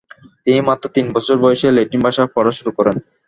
তিনি মাত্র তিন বছর বয়সে ল্যাটিন ভাষা পড়া শুরু করেন।